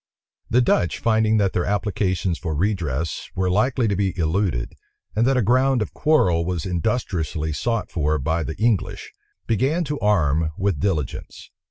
The Dutch, finding that their applications for redress were likely to be eluded, and that a ground of quarrel was industriously sought for by the English, began to arm with diligence.